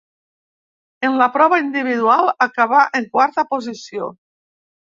En la prova individual acabà en quarta posició.